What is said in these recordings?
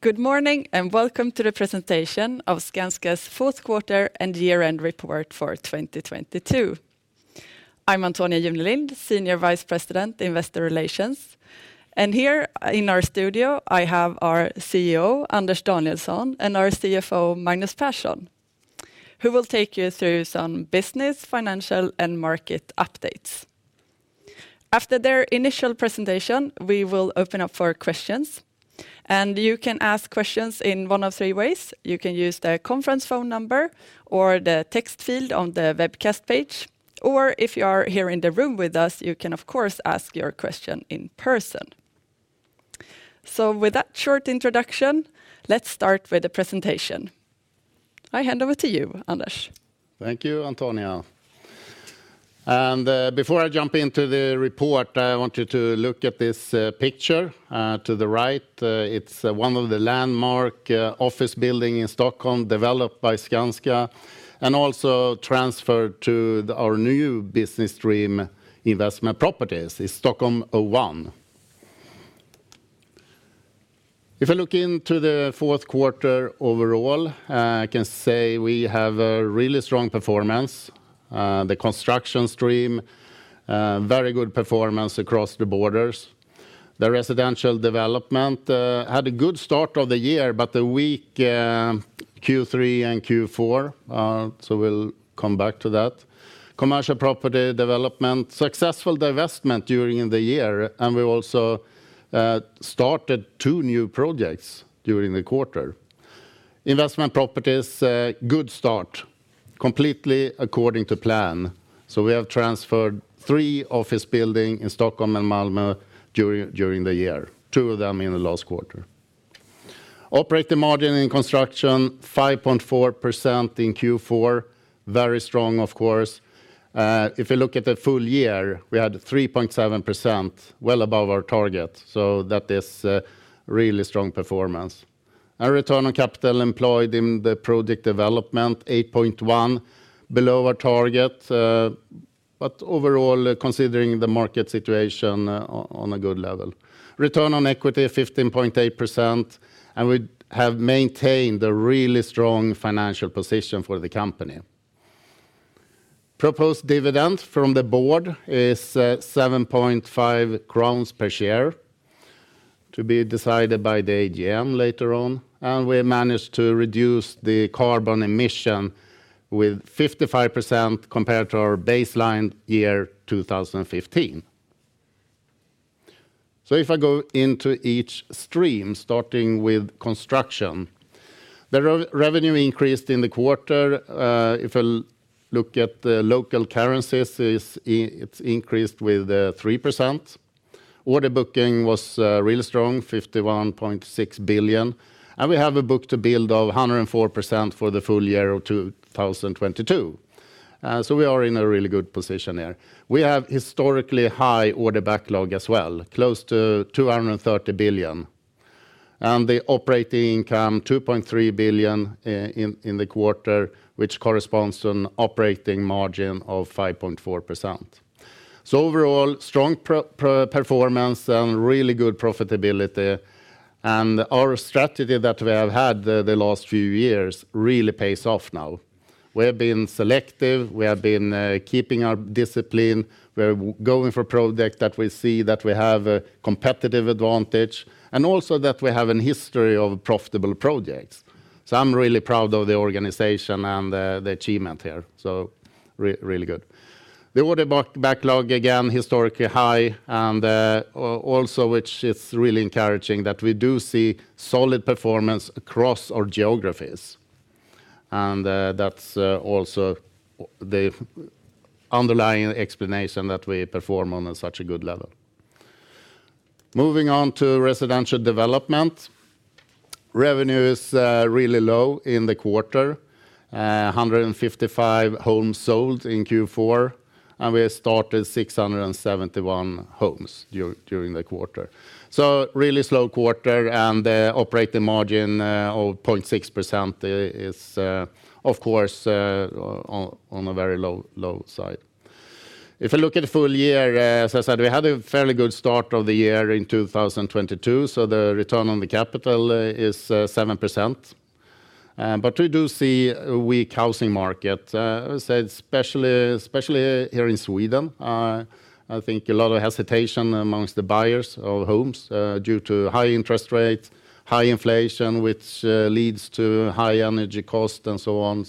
Good morning, welcome to the presentation of Skanska's Q4 and year-end report for 2022. I'm Antonia Junelind, Senior Vice President, Investor Relations. Here in our studio, I have our CEO, Anders Danielsson, and our CFO, Magnus Persson, who will take you through some business, financial, and market updates. After their initial presentation, we will open up for questions. You can ask questions in one of three ways. You can use the conference phone number or the text field on the webcast page, or if you are here in the room with us, you can of course ask your question in person. With that short introduction, let's start with the presentation. I hand over to you, Anders. Thank you, Antonia. Before I jump into the report, I want you to look at this picture to the right. It's one of the landmark office building in Stockholm developed by Skanska and also transferred to our new business stream investment properties. It's Stockholm One. If I look into the Q4 overall, I can say we have a really strong performance. The construction stream, very good performance across the borders. The residential development had a good start of the year, but a weak Q3 and Q4, we'll come back to that. Commercial property development, successful divestment during the year, we also started two new projects during the quarter. Investment properties, a good start, completely according to plan. We have transferred three office building in Stockholm and Malmö during the year, two of them in the last quarter. Operating margin in construction, 5.4% in Q4, very strong of course. If you look at the full year, we had 3.7%, well above our target, so that is a really strong performance. Our Return on Capital Employed in the project development, 8.1%, below our target, but overall considering the market situation on a good level. Return on Equity, 15.8%, and we have maintained a really strong financial position for the company. Proposed dividend from the board is 7.5 crowns per share to be decided by the AGM later on. We managed to reduce the carbon emission with 55% compared to our baseline year 2015. If I go into each stream, starting with construction. The revenue increased in the quarter. If I look at the local currencies, it's increased with 3%. Order booking was really strong, 51.6 billion. We have a book-to-build of 104% for the full year of 2022. We are in a really good position there. We have historically high order backlog as well, close to 230 billion. The operating income, 2.3 billion in the quarter, which corresponds to an operating margin of 5.4%. Overall, strong performance and really good profitability. Our strategy that we have had the last few years really pays off now. We have been selective. We have been keeping our discipline. We're going for projects that we see that we have a competitive advantage, also that we have a history of profitable projects. I'm really proud of the organization and the achievement here. Really good. The order backlog, again, historically high, also which is really encouraging that we do see solid performance across our geographies. That's also the underlying explanation that we perform on such a good level. Moving on to residential development. Revenue is really low in the quarter. 155 homes sold in Q4, and we started 671 homes during the quarter. Really slow quarter, and the operating margin of 0.6% is of course on a very low side. If I look at the full year, as I said, we had a fairly good start of the year in 2022, the return on the capital is 7%. We do see a weak housing market, especially here in Sweden. I think a lot of hesitation amongst the buyers of homes due to high interest rates, high inflation, which leads to high energy cost and so on.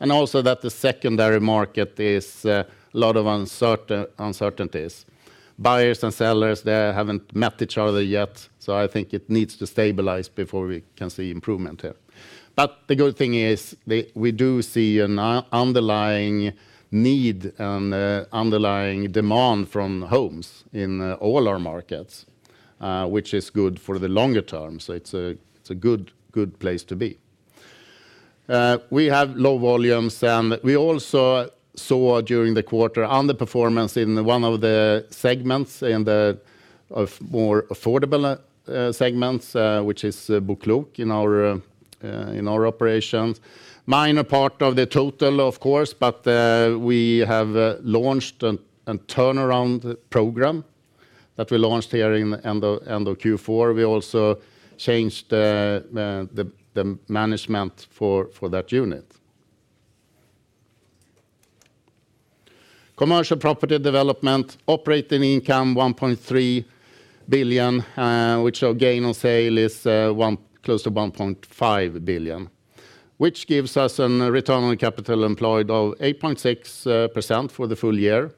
And also that the secondary market is a lot of uncertainties. Buyers and sellers, they haven't met each other yet, so I think it needs to stabilize before we can see improvement here. The good thing is we do see an underlying need and an underlying demand from homes in all our markets, which is good for the longer term. It's a good place to be. We have low volumes, and we also saw during the quarter underperformance in one of the segments of more affordable segments, which is BoKlok in our operations. Minor part of the total, of course, we have launched a turnaround program that we launched here in end of Q4. We also changed the management for that unit. Commercial property development operating income 1.3 billion, which our gain on sale is close to 1.5 billion, which gives us a Return on Capital Employed of 8.6% for the full year.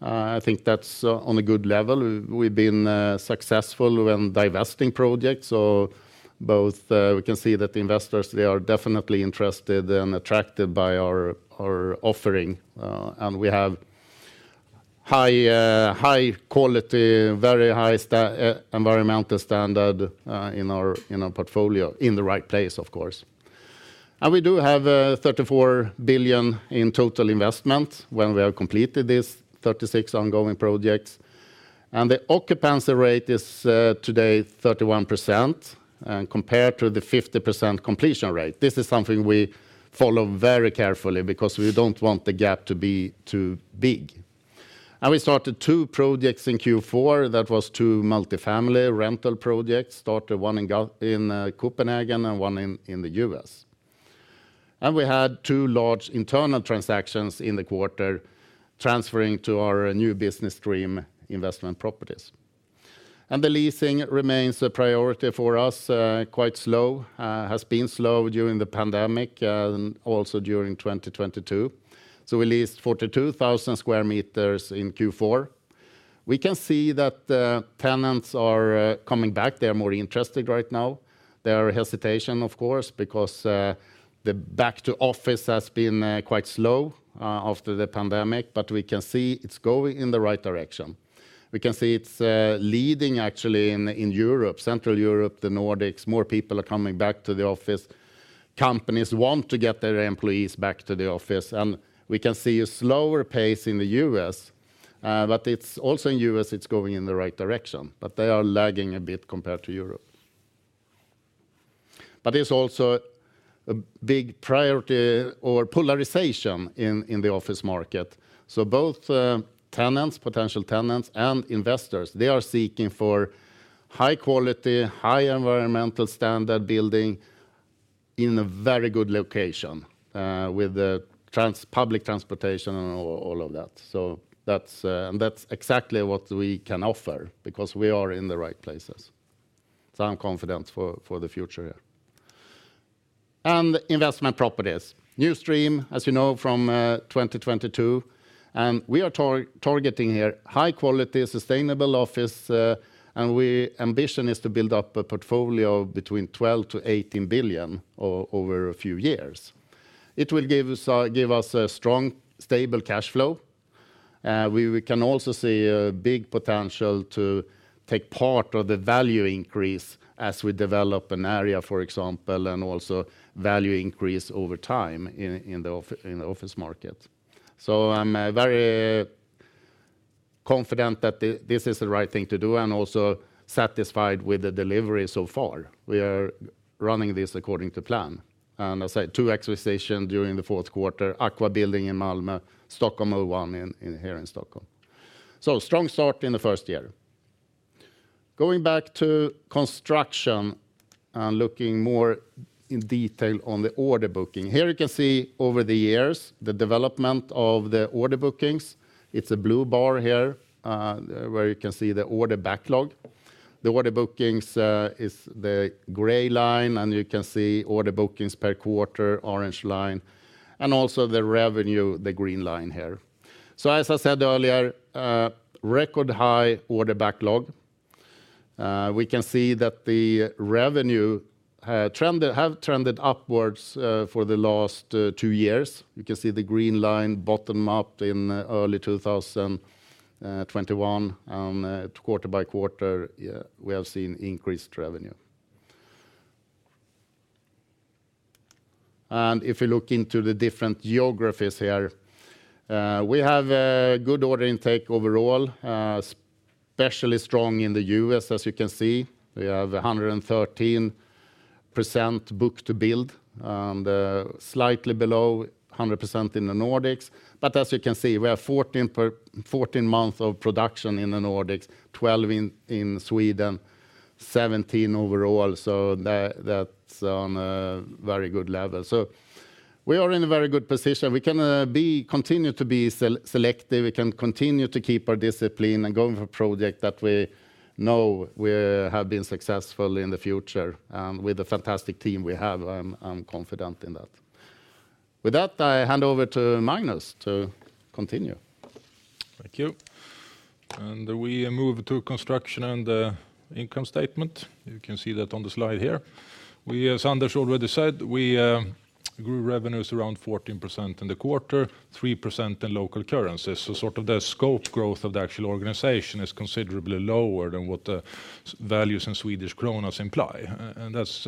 I think that's on a good level. We've been successful when divesting projects. Both, we can see that the investors, they are definitely interested and attracted by our offering. We have high, high quality, very high environmental standard in our, in our portfolio, in the right place of course. We do have 34 billion in total investment when we have completed these 36 ongoing projects. The occupancy rate is today 31% compared to the 50% completion rate. This is something we follow very carefully because we don't want the gap to be too big. We started two projects in Q4. That was two multifamily rental projects. Started one in Copenhagen and one in the U.S. We had two large internal transactions in the quarter transferring to our new business stream investment properties. The leasing remains a priority for us, quite slow. Has been slow during the pandemic and also during 2022. We leased 42,000 square meters in Q4. We can see that the tenants are coming back. They're more interested right now. There are hesitation of course, because the back to office has been quite slow after the pandemic. We can see it's going in the right direction. We can see it's leading actually in Europe, Central Europe, the Nordics. More people are coming back to the office. Companies want to get their employees back to the office. We can see a slower pace in the U.S., but it's also in U.S. it's going in the right direction. They are lagging a bit compared to Europe. There's also a big priority or polarization in the office market. Both tenants, potential tenants, and investors, they are seeking for high quality, high environmental standard building in a very good location with public transportation and all of that. That's and that's exactly what we can offer because we are in the right places. I'm confident for the future here. Investment properties. New stream, as you know, from 2022. We are targeting here high quality sustainable office. We ambition is to build up a portfolio between 12-18 billion over a few years. It will give us a strong, stable cash flow. We can also see a big potential to take part of the value increase as we develop an area, for example, and also value increase over time in office markets. I'm very confident that this is the right thing to do, and also satisfied with the delivery so far. We are running this according to plan. As I said, two acquisition during the Q4. Aqua Building in Malmö, Sthlm 01 here in Stockholm. Strong start in the first year. Going back to construction, and looking more in detail on the order booking. Here you can see over the years the development of the order bookings. It's a blue bar here, where you can see the order backlog. The order bookings is the gray line, and you can see order bookings per quarter, orange line, and also the revenue, the green line here. As I said earlier, a record high order backlog. We can see that the revenue trend, have trended upwards, for the last two years. You can see the green line bottom up in early 2021. Quarter by quarter, yeah, we have seen increased revenue. If you look into the different geographies here, we have a good order intake overall. Especially strong in the U.S. as you can see. We have 113% book-to-build, slightly below 100% in the Nordics. As you can see, we have 14 month of production in the Nordics, 12 in Sweden, 17 overall. That's on a very good level. We are in a very good position. We can continue to be selective. We can continue to keep our discipline and go for project that we know will have been successful in the future. With the fantastic team we have, I'm confident in that. With that, I hand over to Magnus to continue. Thank you. We move to construction and income statement. You can see that on the slide here. We, as Anders already said, we grew revenues around 14% in the quarter, 3% in local currencies. Sort of the scope growth of the actual organization is considerably lower than what the values in Swedish krona imply. That's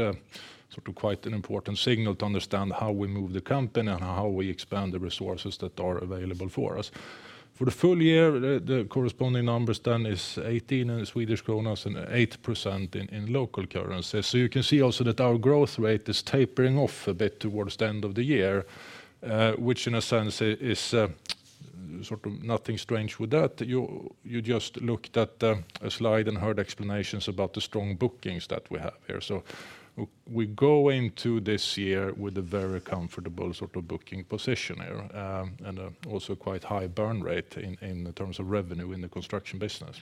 sort of quite an important signal to understand how we move the company and how we expand the resources that are available for us. For the full year, the corresponding numbers then is 18% in Swedish krona and 8% in local currency. You can see also that our growth rate is tapering off a bit towards the end of the year, which in a sense is nothing strange with that. You just looked at a slide and heard explanations about the strong bookings that we have here. We go into this year with a very comfortable sort of booking position here, and also quite high burn rate in terms of revenue in the construction business.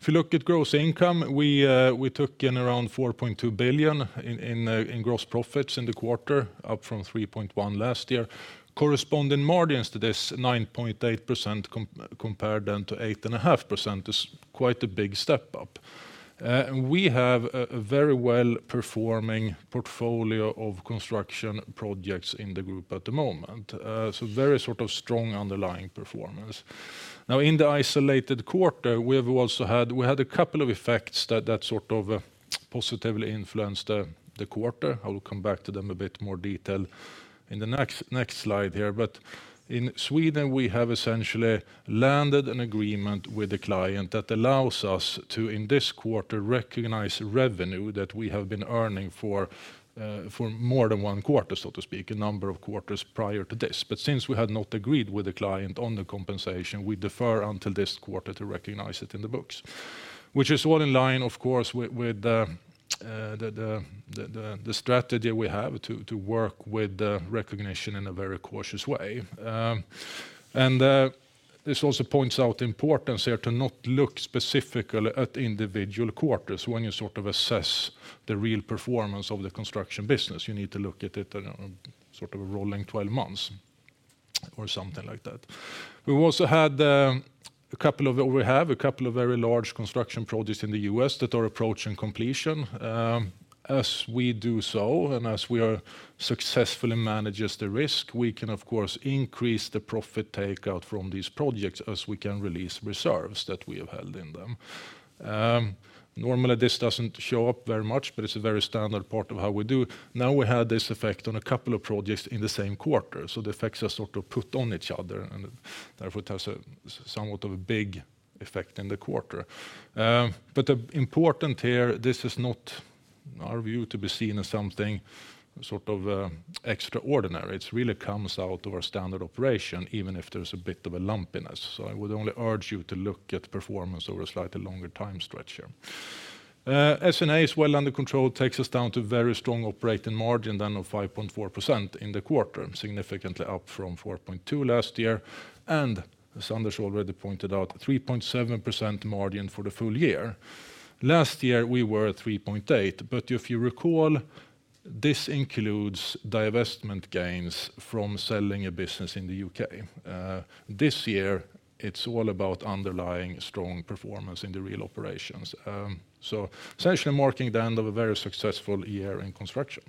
If you look at gross income, we took in around 4.2 billion in gross profits in the quarter, up from 3.1 billion last year. Corresponding margins to this 9.8% compared then to 8.5% is quite a big step up. We have a very well-performing portfolio of construction projects in the group at the moment. Very sort of strong underlying performance. In the isolated quarter, we had a couple of effects that sort of positively influenced the quarter. I will come back to them a bit more detail in the next slide here. In Sweden, we have essentially landed an agreement with a client that allows us to, in this quarter, recognize revenue that we have been earning for more than one quarter, so to speak, a number of quarters prior to this. Since we had not agreed with the client on the compensation, we defer until this quarter to recognize it in the books, which is all in line, of course, with the strategy we have to work with the recognition in a very cautious way. This also points out the importance here to not look specifically at individual quarters when you sort of assess the real performance of the construction business. You need to look at it in a sort of rolling 12 months or something like that. We also had a couple of, or we have a couple of very large construction projects in the U.S. that are approaching completion. As we do so, as we are successfully manages the risk, we can of course increase the profit takeout from these projects as we can release reserves that we have held in them. Normally, this doesn't show up very much, it's a very standard part of how we do. We have this effect on a couple of projects in the same quarter, so the effects are sort of put on each other, and therefore it has a somewhat of a big effect in the quarter. Important here, this is not our view to be seen as something sort of extraordinary. It really comes out of our standard operation, even if there's a bit of a lumpiness. I would only urge you to look at performance over a slightly longer time stretch here. S&A is well under control, takes us down to very strong operating margin than of 5.4% in the quarter, significantly up from 4.2% last year. As Anders already pointed out, 3.7% margin for the full year. Last year, we were at 3.8%. If you recall, this includes divestment gains from selling a business in the U.K.. This year, it's all about underlying strong performance in the real operations. Essentially marking the end of a very successful year in construction.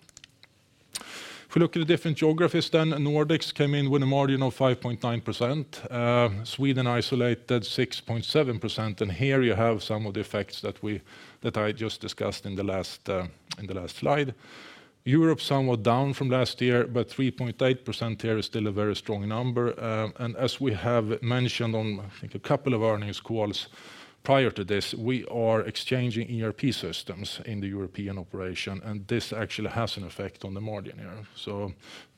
If we look at the different geographies, Nordics came in with a margin of 5.9%. Sweden isolated 6.7%. Here you have some of the effects that I just discussed in the last slide. Europe, somewhat down from last year, 3.8% here is still a very strong number. As we have mentioned on, I think, a couple of earnings calls prior to this, we are exchanging ERP systems in the European operation, and this actually has an effect on the margin here.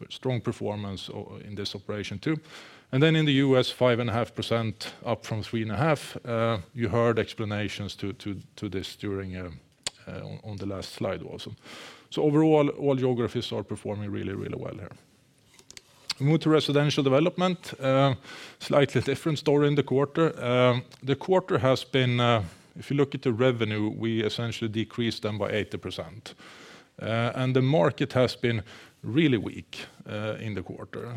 Strong performance in this operation, too. Then in the U.S., 5.5% up from 3.5%. You heard explanations to this during on the last slide also. Overall, all geographies are performing really, really well here. Move to residential development. Slightly different story in the quarter. The quarter has been, if you look at the revenue, we essentially decreased them by 80%. The market has been really weak in the quarter.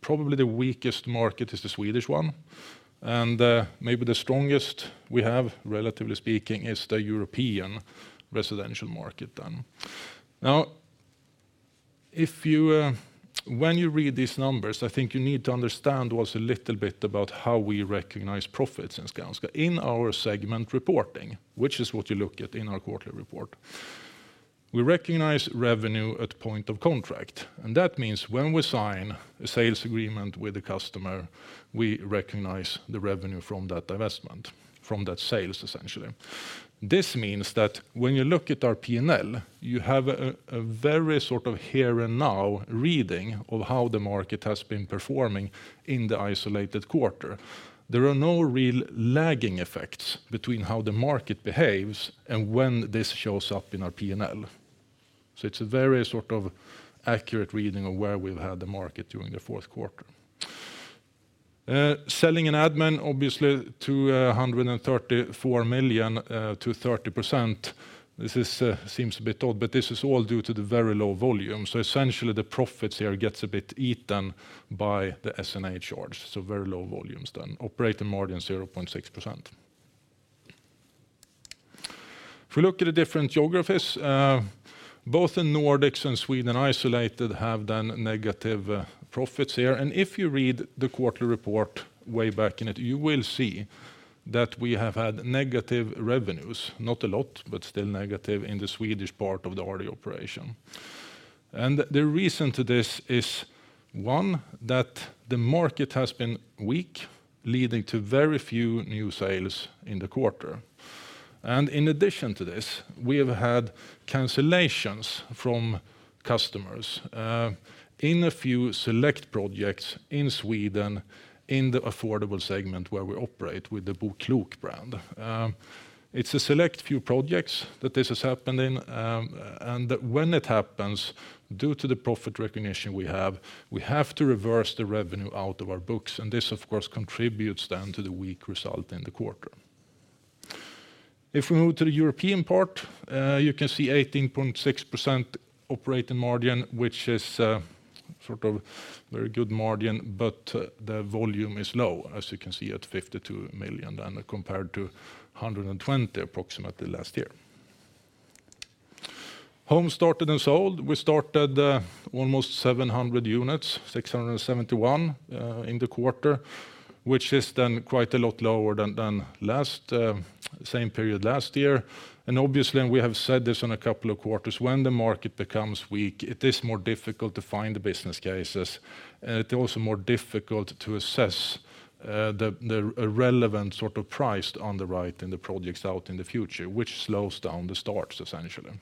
Probably the weakest market is the Swedish one. Maybe the strongest we have, relatively speaking, is the European residential market then. If you when you read these numbers, I think you need to understand what's a little bit about how we recognize profits in Skanska. In our segment reporting, which is what you look at in our quarterly report, we recognize revenue at point of contract. That means when we sign a sales agreement with the customer, we recognize the revenue from that divestment, from that sales, essentially. This means that when you look at our P&L, you have a very sort of here and now reading of how the market has been performing in the isolated quarter. There are no real lagging effects between how the market behaves and when this shows up in our P&L. It's a very sort of accurate reading of where we've had the market during the Q4. Selling and admin, obviously, to 134 million, to 30%. This seems a bit odd, but this is all due to the very low volume. Essentially the profits here gets a bit eaten by the S&A charge. Very low volumes then. Operating margin 0.6%. If we look at the different geographies, both the Nordics and Sweden isolated have done negative profits here. If you read the quarterly report way back in it, you will see that we have had negative revenues, not a lot, but still negative in the Swedish part of the RD operation. The reason to this is, one, that the market has been weak, leading to very few new sales in the quarter. And in addition to this, we have had cancellations from customers, in a few select projects in Sweden in the affordable segment where we operate with the BoKlok brand. It's a select few projects that this has happened in, and when it happens, due to the profit recognition we have, we have to reverse the revenue out of our books, and this of course contributes then to the weak result in the quarter. If we move to the European part, you can see 18.6% operating margin, which is sort of very good margin, but the volume is low, as you can see at 52 million, and compared to 120 million approximately last year. Homes started and sold, we started almost 700 units, 671, in the quarter, which is then quite a lot lower than last same period last year. Obviously, and we have said this on a couple of quarters, when the market becomes weak, it is more difficult to find the business cases, and it's also more difficult to assess the relevant sort of price on the right and the projects out in the future, which slows down the starts, essentially.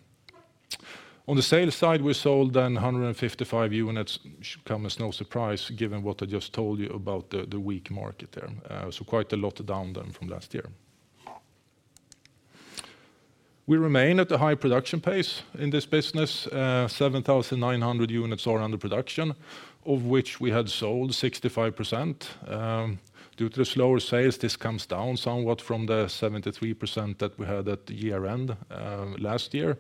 On the sales side, we sold then 155 units, which come as no surprise given what I just told you about the weak market there. Quite a lot down then from last year. We remain at a high production pace in this business. 7,900 units are under production, of which we had sold 65%. Due to the slower sales, this comes down somewhat from the 73% that we had at year-end last year.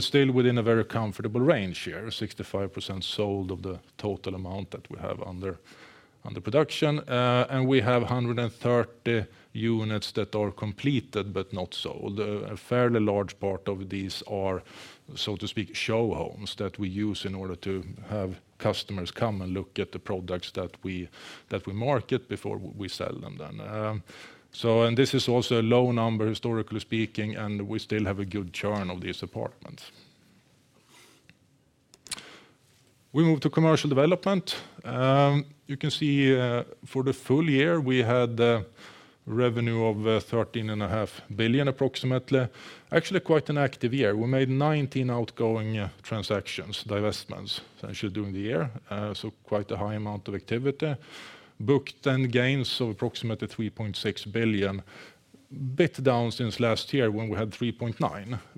Still within a very comfortable range here, 65% sold of the total amount that we have under production. We have 130 units that are completed but not sold. A fairly large part of these are, so to speak, show homes that we use in order to have customers come and look at the products that we market before we sell them then. This is also a low number, historically speaking, and we still have a good churn of these apartments. We move to commercial development. You can see, for the full year, we had a revenue of 13.5 billion, approximately. Quite an active year. We made 19 outgoing transactions, divestments, actually during the year, quite a high amount of activity. Booked gains of approximately 3.6 billion. Bit down since last year when we had 3.9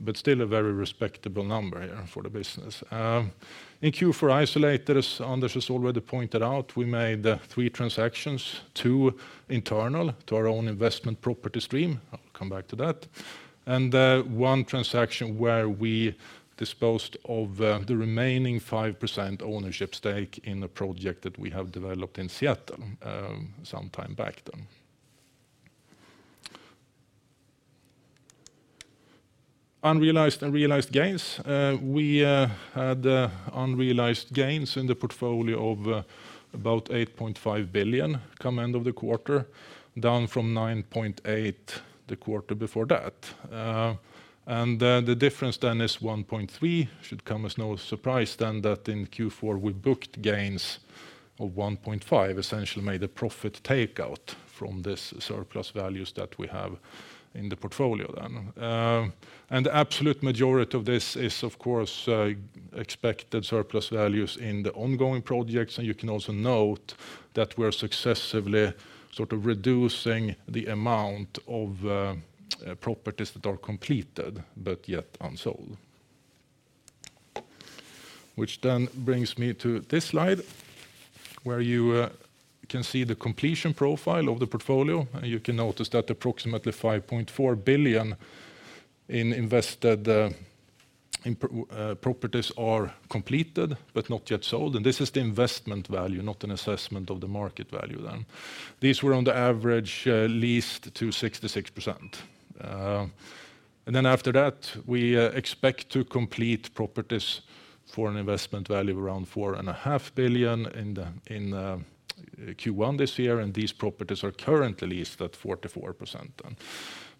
billion, still a very respectable number here for the business. In Q4 isolated, as Anders has already pointed out, we made three transactions, two internal to our own investment property stream. I'll come back to that. One transaction where we disposed of the remaining 5% ownership stake in a project that we have developed in Seattle, some time back then. Unrealized and realized gains. We had unrealized gains in the portfolio of about 8.5 billion come end of the quarter, down from 9.8 billion the quarter before that. The difference then is 1.3 billion. Should come as no surprise then that in Q4 we booked gains of 1.5, essentially made a profit takeout from this surplus values that we have in the portfolio then. The absolute majority of this is of course, expected surplus values in the ongoing projects, and you can also note that we're successively sort of reducing the amount of properties that are completed but yet unsold. Which brings me to this slide, where you can see the completion profile of the portfolio. You can notice that approximately 5.4 billion in invested, in properties are completed but not yet sold. This is the investment value, not an assessment of the market value then. These were on the average, leased to 66%. Then after that, we expect to complete properties for an investment value around four and a half billion in Q1 this year. These properties are currently leased at 44% then.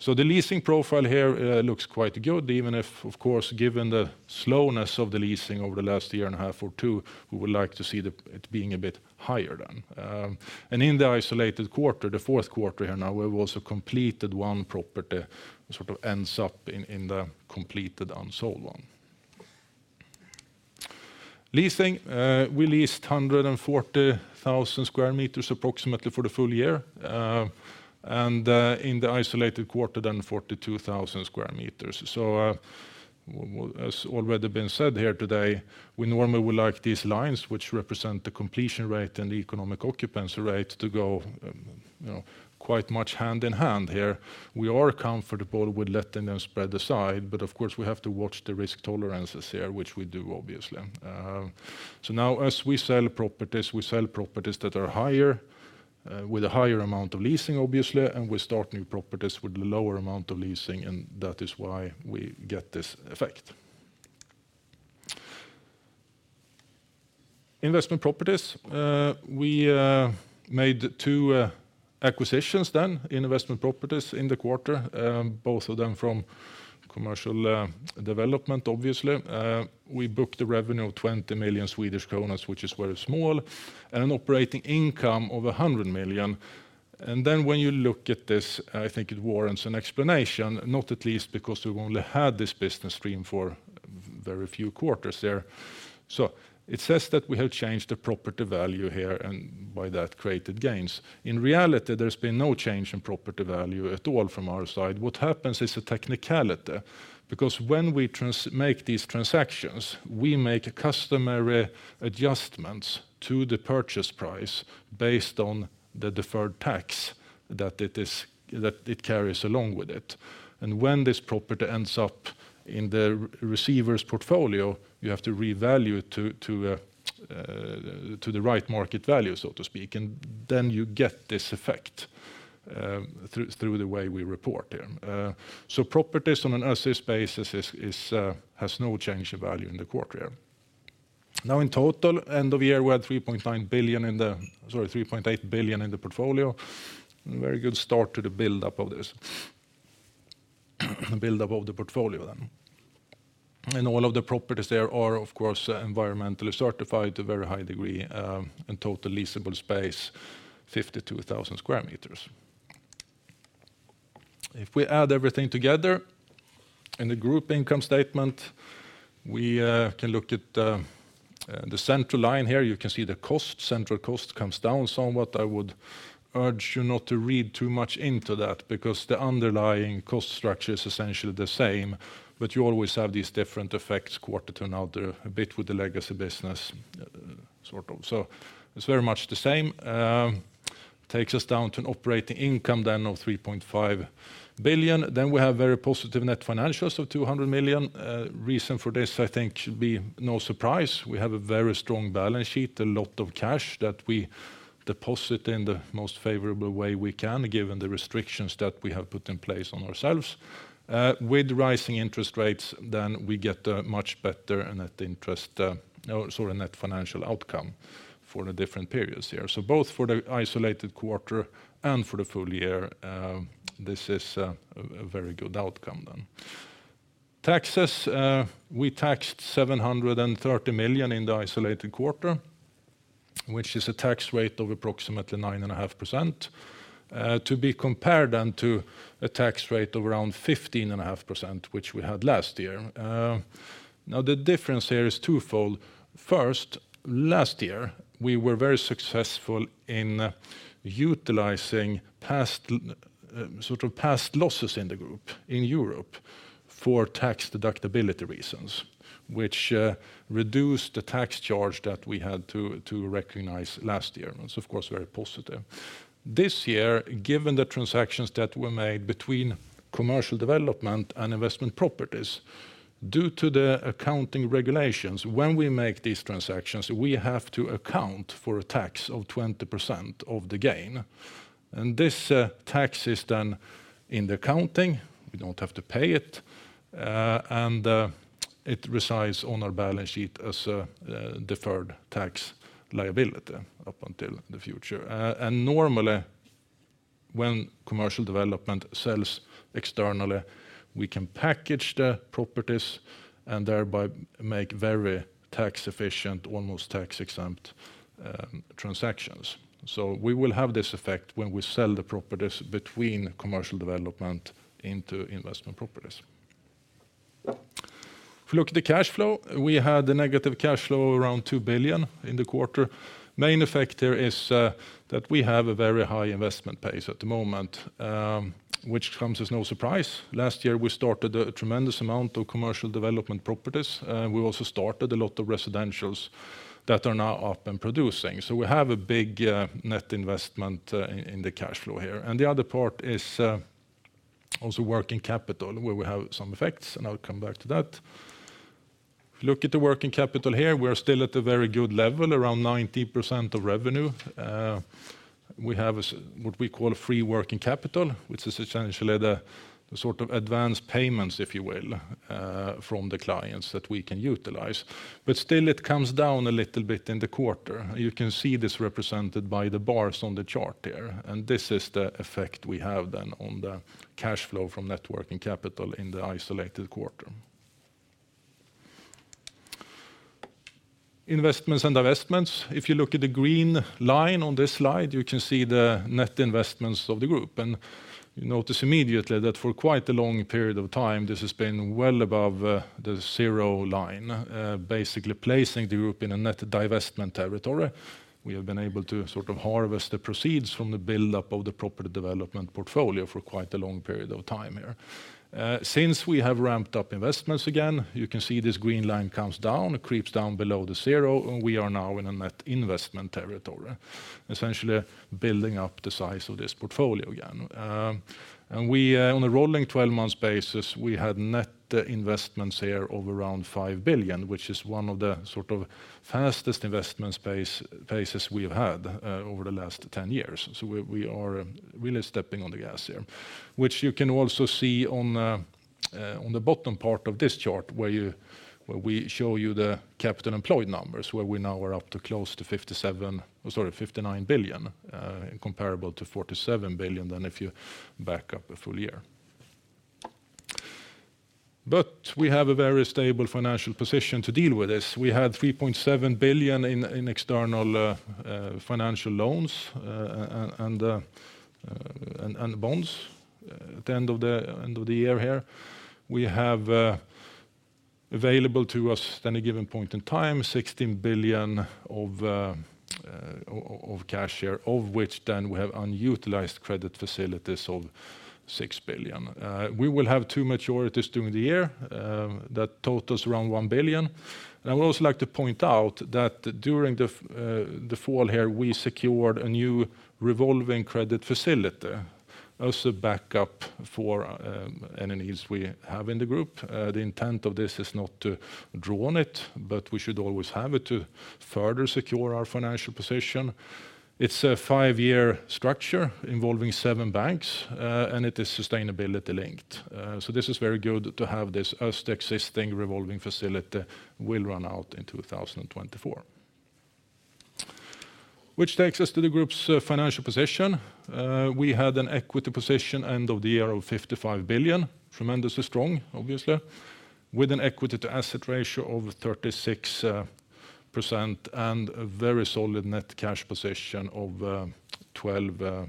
The leasing profile here looks quite good, even if, of course, given the slowness of the leasing over the last year and a half or two, we would like to see it being a bit higher then. In the isolated quarter, the Q4 here now, we've also completed one property, sort of ends up in the completed unsold one. Leasing, we leased 140,000 square meters approximately for the full year. In the isolated quarter then 42,000 square meters. As already been said here today, we normally would like these lines which represent the completion rate and the economic occupancy rate to go, you know, quite much hand in hand here. We are comfortable with letting them spread aside, but of course, we have to watch the risk tolerances here, which we do obviously. Now as we sell properties, we sell properties that are higher, with a higher amount of leasing obviously, and we start new properties with lower amount of leasing, and that is why we get this effect. Investment properties. We made two acquisitions then in investment properties in the quarter, both of them from Commercial development obviously. We booked the revenue of 20 million Swedish kronor which is very small, and an operating income of 100 million. When you look at this, I think it warrants an explanation, not at least because we've only had this business stream for very few quarters there. It says that we have changed the property value here and by that created gains. In reality, there's been no change in property value at all from our side. What happens is a technicality because when we make these transactions, we make customary adjustments to the purchase price based on the deferred tax that it is, that it carries along with it. When this property ends up in the receiver's portfolio, you have to revalue it to the right market value, so to speak, and then you get this effect through the way we report here. Properties on an as-is basis has no change of value in the quarter here. In total, end of year we're at 3.8 billion in the portfolio, very good start to the build-up of the portfolio. All of the properties there are of course environmentally certified to a very high degree, in total leasable space, 52,000 square meters. If we add everything together in the group income statement, we can look at the center line here. You can see the central cost comes down somewhat. I would urge you not to read too much into that because the underlying cost structure is essentially the same. You always have these different effects quarter to another, a bit with the legacy business. It's very much the same. takes us down to an operating income then of 3.5 billion. We have very positive net financials of 200 million. Reason for this, I think should be no surprise. We have a very strong balance sheet, a lot of cash that we deposit in the most favorable way we can, given the restrictions that we have put in place on ourselves. With rising interest rates, we get a much better net interest, or sorry, net financial outcome for the different periods here. Both for the isolated quarter and for the full year, this is a very good outcome then. Taxes, we taxed 730 million in the isolated quarter, which is a tax rate of approximately 9.5%, to be compared then to a tax rate of around 15.5% which we had last year. The difference here is twofold. Last year, we were very successful in utilizing past sort of past losses in the group in Europe for tax deductibility reasons, which reduced the tax charge that we had to recognize last year. It's of course, very positive. This year, given the transactions that were made between commercial development and investment properties, due to the accounting regulations, when we make these transactions, we have to account for a tax of 20% of the gain. This tax is done in the accounting. We don't have to pay it. It resides on our balance sheet as Deferred Tax Liability up until the future. Normally, when commercial development sells externally, we can package the properties and thereby make very tax efficient, almost tax-exempt, transactions. We will have this effect when we sell the properties between commercial development into investment properties. If you look at the cash flow, we had a negative cash flow around 2 billion in the quarter. Main effect here is that we have a very high investment pace at the moment, which comes as no surprise. Last year, we started a tremendous amount of commercial development properties. We also started a lot of residentials that are now up and producing. We have a big net investment in the cash flow here. The other part is also working capital, where we have some effects, and I'll come back to that. If you look at the working capital here, we are still at a very good level, around 19% of revenue. We have what we call free working capital, which is essentially the sort of advanced payments, if you will, from the clients that we can utilize. Still it comes down a little bit in the quarter. You can see this represented by the bars on the chart there. This is the effect we have then on the cash flow from net working capital in the isolated quarter. Investments and divestments. If you look at the green line on this slide, you can see the net investments of the group. You notice immediately that for quite a long period of time, this has been well above the zero line, basically placing the group in a net divestment territory. We have been able to sort of harvest the proceeds from the build-up of the property development portfolio for quite a long period of time here. Since we have ramped up investments again, you can see this green line comes down, it creeps down below the zero, and we are now in a net investment territory, essentially building up the size of this portfolio again. On a rolling 12 months basis, we had net investments here of around 5 billion, which is one of the sort of fastest investment paces we have had over the last 10 years. We are really stepping on the gas here, which you can also see on the bottom part of this chart, where we show you the capital employed numbers, where we now are up to close to 57 billion, or sorry, 59 billion, comparable to 47 billion than if you back up a full year. We have a very stable financial position to deal with this. We had 3.7 billion in external financial loans and bonds at the end of the year here. We have available to us at any given point in time 16 billion of cash here, of which then we have unutilized credit facilities of 6 billion. We will have two majorities during the year that total is around 1 billion. I would also like to point out that during the fall here, we secured a new revolving credit facility. Also backup for any needs we have in the group. The intent of this is not to draw on it, but we should always have it to further secure our financial position. It's a five-year structure involving seven banks, and it is sustainability-linked. This is very good to have this as the existing revolving facility will run out in 2024. Which takes us to the group's financial position. We had an equity position end of the year of 55 billion, tremendously strong, obviously, with an equity-to-asset ratio of 36% and a very solid Net Cash Position of 12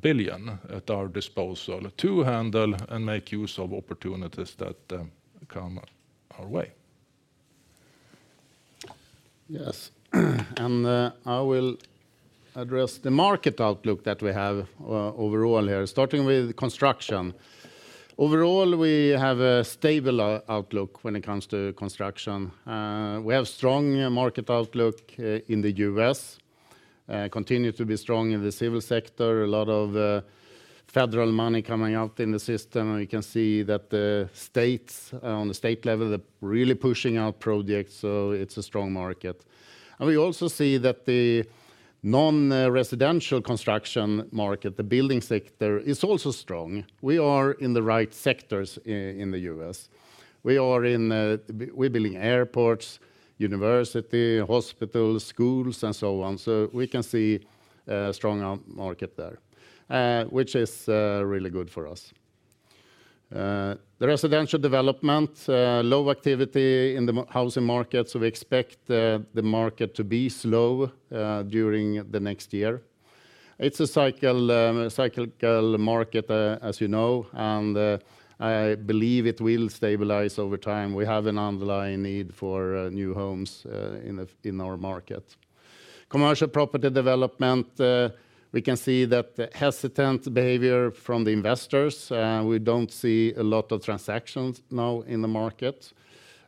billion at our disposal to handle and make use of opportunities that come our way. Yes. I will address the market outlook that we have overall here, starting with construction. Overall, we have a stable outlook when it comes to construction. We have strong market outlook in the U.S., continue to be strong in the civil sector. A lot of federal money coming out in the system. You can see that the states, on the state level, they're really pushing out projects, so it's a strong market. We also see that the non-residential construction market, the building sector, is also strong. We are in the right sectors in the U.S. We're building airports, university, hospitals, schools, and so on. We can see a strong market there, which is really good for us. The residential development, low activity in the housing market. We expect the market to be slow during the next year. It's a cycle, cyclical market, as you know, and I believe it will stabilize over time. We have an underlying need for new homes in our market. Commercial property development, we can see that the hesitant behavior from the investors. We don't see a lot of transactions now in the market.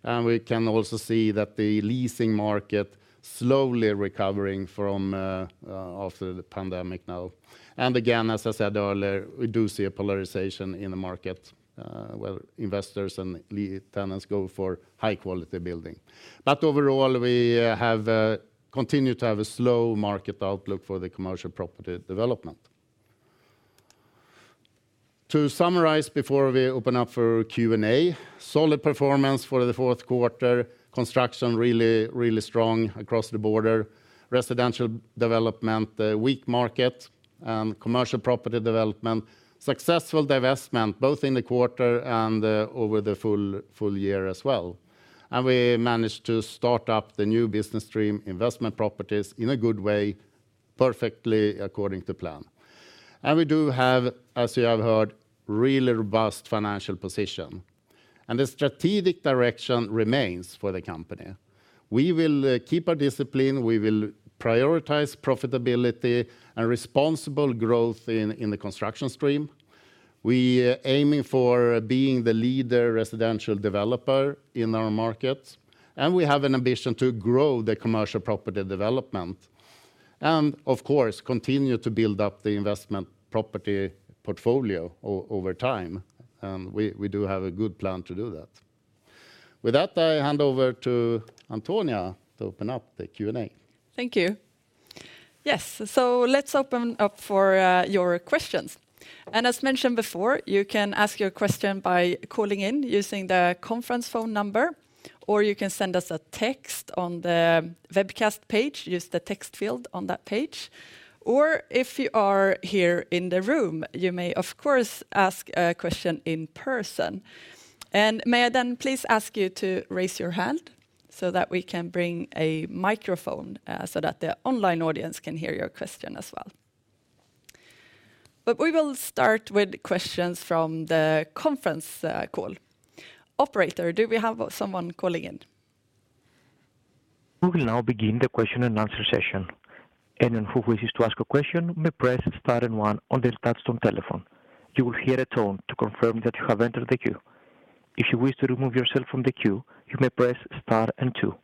We can also see that the leasing market slowly recovering from after the pandemic now. Again, as I said earlier, we do see a polarization in the market where investors and tenants go for high quality building. Overall, we have continued to have a slow market outlook for the commercial property development. To summarize, before we open up for Q&A, solid performance for the Q4. Construction really, really strong across the border. Residential development, a weak market. Commercial property development, successful divestment, both in the quarter and over the full year as well. We managed to start up the new business stream, investment properties, in a good way, perfectly according to plan. We do have, as you have heard, really robust financial position. The strategic direction remains for the company. We will keep our discipline, we will prioritize profitability and responsible growth in the construction stream. We are aiming for being the leader residential developer in our market, and we have an ambition to grow the commercial property development and, of course, continue to build up the investment property portfolio over time. We do have a good plan to do that. With that, I hand over to Antonia to open up the Q&A. Thank you. Yes. Let's open up for your questions. As mentioned before, you can ask your question by calling in using the conference phone number, or you can send us a text on the webcast page. Use the text field on that page. If you are here in the room, you may, of course, ask a question in person. May I then please ask you to raise your hand so that we can bring a microphone so that the online audience can hear your question as well. We will start with questions from the conference call. Operator, do we have someone calling in? We will now begin the question and answer session. Anyone who wishes to ask a question may press star and one on their touch-tone telephone. You will hear a tone to confirm that you have entered the queue. If you wish to remove yourself from the queue, you may press star and two.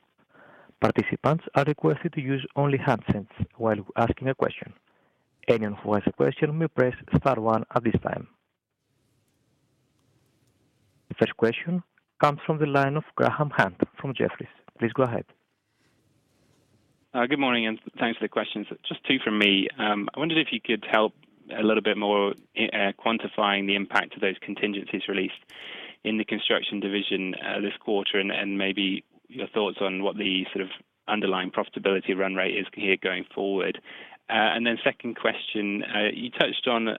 Participants are requested to use only handsets while asking a question. Anyone who has a question may press star one at this time. First question comes from the line of Graham Hunt from Jefferies. Please go ahead. Good morning, thanks for the questions. Just two from me. I wondered if you could help a little bit more quantifying the impact of those contingencies released in the construction division this quarter and maybe your thoughts on what the sort of underlying profitability run rate is here going forward. Second question. You touched on,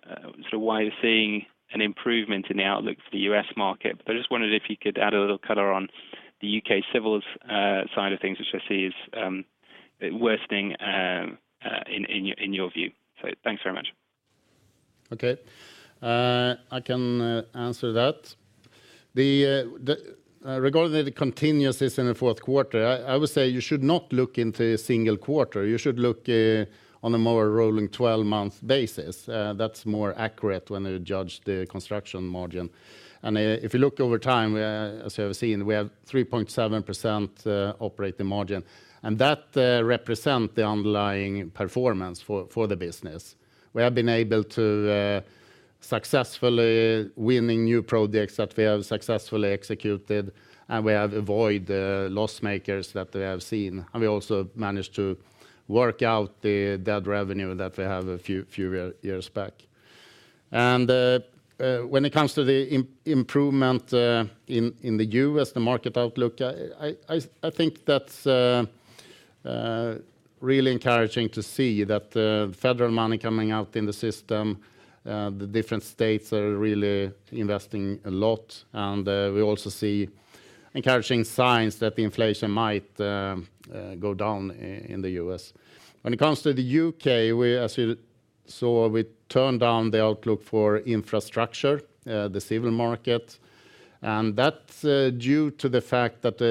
so while you're seeing an improvement in the outlook for the U.S. market, I just wondered if you could add a little color on the U.K. civil side of things, which I see is worsening in your view. Thanks very much. Okay. I can answer that. Regarding the continuousness in the Q4, I would say you should not look into a single quarter. You should look on a more rolling 12-month basis. That's more accurate when you judge the construction margin. If you look over time, as you have seen, we have 3.7% Operating Margin. That represent the underlying performance for the business. We have been able to successfully winning new projects that we have successfully executed, and we have avoid loss makers that we have seen. We also managed to work out the debt revenue that we have a few years back. When it comes to the improvement in the U.S., the market outlook, I think that's really encouraging to see that federal money coming out in the system. The different states are really investing a lot. We also see encouraging signs that the inflation might go down in the U.S. When it comes to the U.K., as you saw, we turned down the outlook for infrastructure, the civil market. That's due to the fact that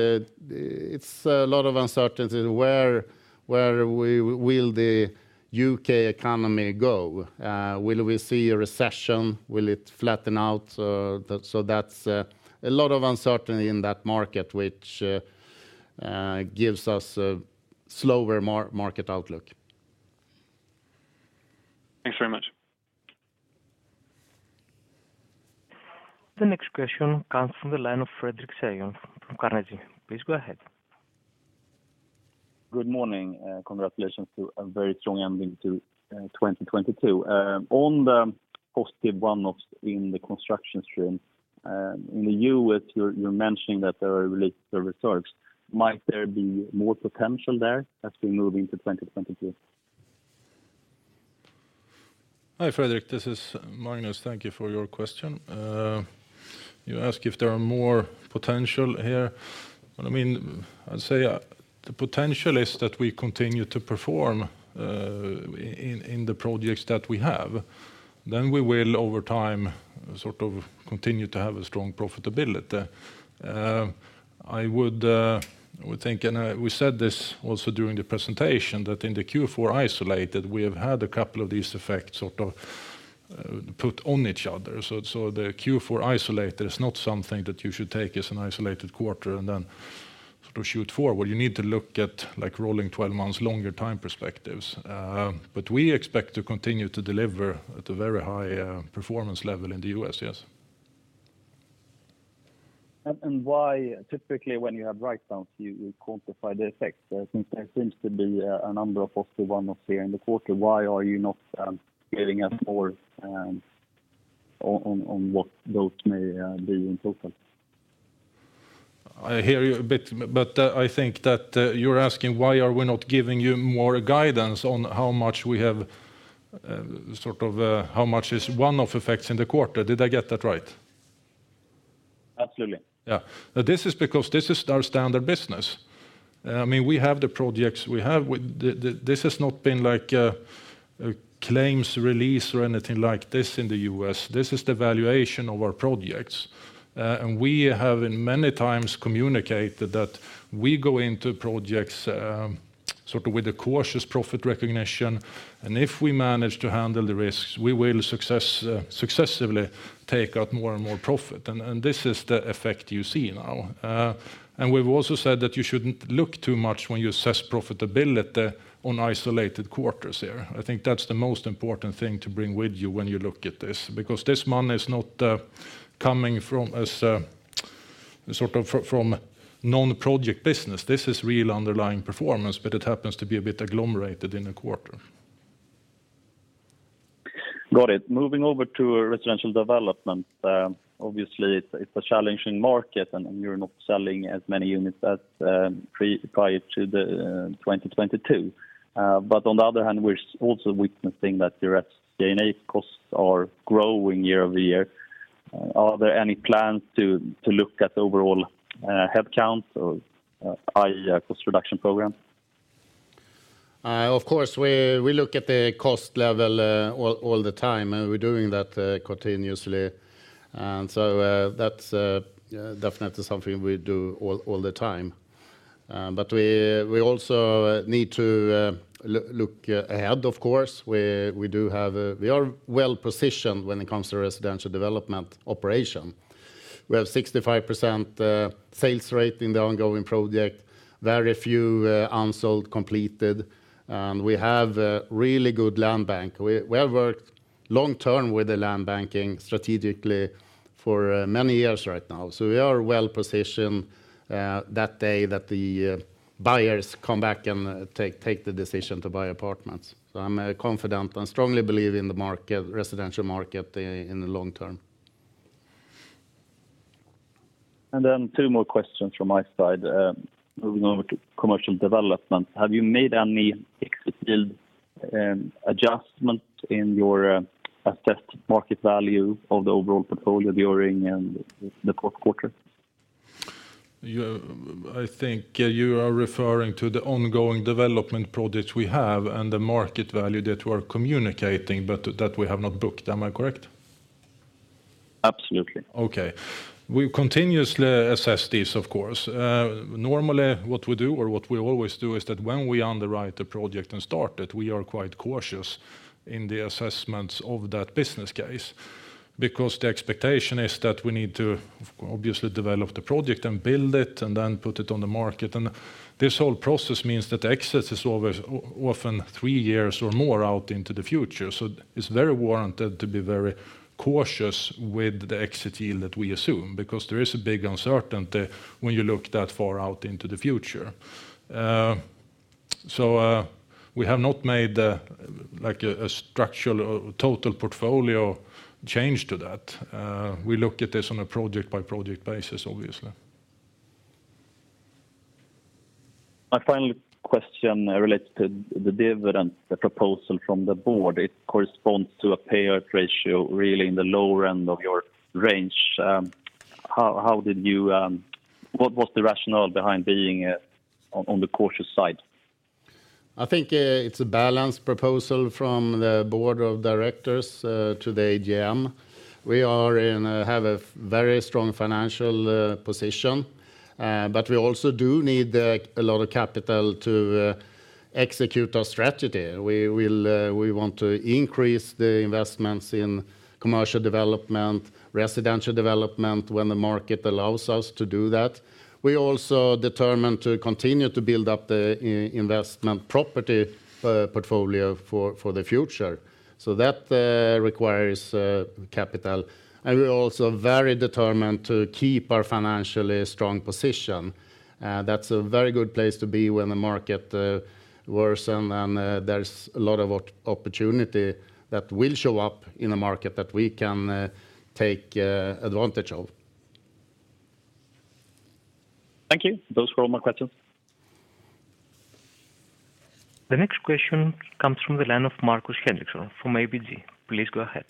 it's a lot of uncertainty where will the U.K. economy go. Will we see a recession? Will it flatten out? That's a lot of uncertainty in that market, which gives us a slower market outlook. Thanks very much. The next question comes from the line of Fredric Cyon from Carnegie. Please go ahead. Good morning. Congratulations to a very strong ending to 2022. On the positive one-offs in the construction stream, in the U.S., you're mentioning that they are related to reserves. Might there be more potential there as we move into 2022? Hi, Fredric. This is Magnus. Thank you for your question. You ask if there are more potential here. I mean, I'd say the potential is that we continue to perform in the projects that we have. We will over time sort of continue to have a strong profitability. I would think, and we said this also during the presentation, that in the Q4 isolated, we have had a couple of these effects sort of put on each other. The Q4 isolated is not something that you should take as an isolated quarter and then sort of shoot for. What you need to look at, like, rolling 12 months longer time perspectives. We expect to continue to deliver at a very high performance level in the U.S., yes. Why? Typically, when you have write-downs, you quantify the effects. There seems to be a number of possible one-offs here in the quarter. Why are you not giving us more on what those may be in total? I hear you a bit, but I think that, you're asking why are we not giving you more guidance on how much we have, sort of, how much is one-off effects in the quarter. Did I get that right? Absolutely. Yeah. This is because this is our standard business. I mean, we have the projects we have. This has not been like a claims release or anything like this in the U.S.. This is the valuation of our projects. We have in many times communicated that we go into projects, sort of with a cautious profit recognition. If we manage to handle the risks, we will successfully take out more and more profit. This is the effect you see now. We've also said that you shouldn't look too much when you assess profitability on isolated quarters here. I think that's the most important thing to bring with you when you look at this, because this money is not coming from as sort of from non-project business. This is real underlying performance, but it happens to be a bit agglomerated in a quarter. Got it. Moving over to residential development, obviously it's a challenging market and you're not selling as many units as prior to the 2022. But on the other hand, we're also witnessing that your G&A costs are growing year-over-year. Are there any plans to look at overall headcounts or i.e., cost reduction program? Of course, we look at the cost level all the time, and we're doing that continuously. That's definitely something we do all the time. We also need to look ahead, of course. We are well-positioned when it comes to residential development operation. We have 65% sales rate in the ongoing project, very few unsold completed, and we have a really good land bank. We have worked long term with the land banking strategically for many years right now. We are well-positioned that day that the buyers come back and take the decision to buy apartments. I'm confident and strongly believe in the market, residential market, in the long term. Two more questions from my side. Moving over to commercial development. Have you made any exit yield adjustment in your assessed market value of the overall portfolio during the Q4? I think you are referring to the ongoing development projects we have and the market value that we're communicating but that we have not booked. Am I correct? Absolutely. Okay. We continuously assess this, of course. Normally what we do or what we always do is that when we underwrite the project and start it, we are quite cautious in the assessments of that business case. The expectation is that we need to obviously develop the project and build it, and then put it on the market. This whole process means that the exit is often three years or more out into the future. It's very warranted to be very cautious with the exit yield that we assume because there is a big uncertainty when you look that far out into the future. We have not made like a structural or total portfolio change to that. We look at this on a project-by-project basis, obviously. My final question relates to the dividend, the proposal from the board. It corresponds to a payout ratio really in the lower end of your range. What was the rationale behind being on the cautious side? I think it's a balanced proposal from the board of directors to the AGM. We have a very strong financial position. We also do need a lot of capital to execute our strategy. We want to increase the investments in commercial development, residential development when the market allows us to do that. We also determined to continue to build up the investment property portfolio for the future. That requires capital. We're also very determined to keep our financially strong position. That's a very good place to be when the market worsen. There's a lot of opportunity that will show up in the market that we can take advantage of. Thank you. Those were all my questions. The next question comes from the line of Markus Henriksson from ABG. Please go ahead.